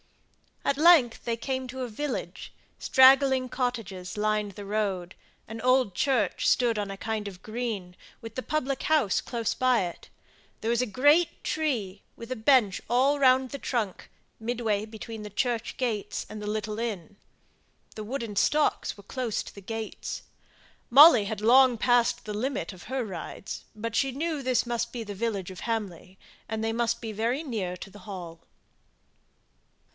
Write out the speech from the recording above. At length they came to a village; straggling cottages lined the road, an old church stood on a kind of green, with the public house close by it; there was a great tree, with a bench all round the trunk, midway between the church gates and the little inn. The wooden stocks were close to the gates. Molly had long passed the limit of her rides, but she knew this must be the village of Hamley, and that they must be very near to the hall.